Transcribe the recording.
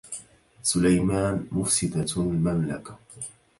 سليمان مفسدة المملكه